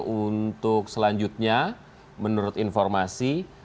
untuk selanjutnya menurut informasi